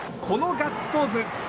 このガッツポーズ。